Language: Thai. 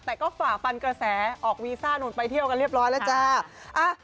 แต่ก็ฝ่าฟันกระแสออกวีซ่านู่นไปเที่ยวกันเรียบร้อยแล้วจ้า